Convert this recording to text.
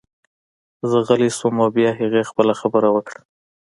زه غلی شوم او بیا هغې خپله خبره وکړه